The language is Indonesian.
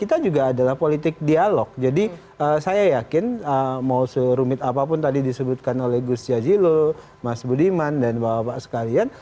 kita juga adalah politik dialog jadi saya yakin mau serumit apapun tadi disebutkan oleh gus yajilo mas budiman dan bapak bapak sekalian